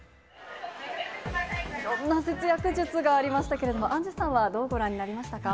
いろんな節約術がありましたけれども、アンジュさんはどうご覧になりましたか？